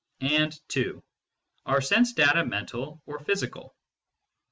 And (2) are sense data mental or physical